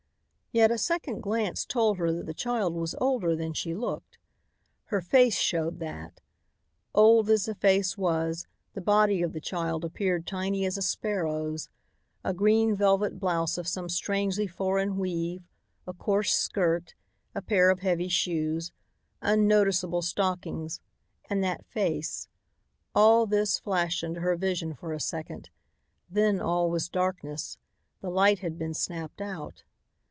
Yet a second glance told her that the child was older than she looked. Her face showed that. Old as the face was, the body of the child appeared tiny as a sparrow's. A green velvet blouse of some strangely foreign weave, a coarse skirt, a pair of heavy shoes, unnoticeable stockings and that face all this flashed into her vision for a second. Then all was darkness; the light had been snapped out.